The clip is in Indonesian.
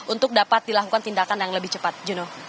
untuk dapat dilakukan tindakan yang lebih cepat jenuh